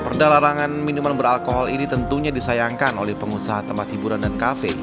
perda larangan minuman beralkohol ini tentunya disayangkan oleh pengusaha tempat hiburan dan kafe